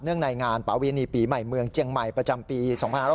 เนื่องในงานประวินิปีใหม่เมืองเจียงใหม่ประจำปี๒๐๖๔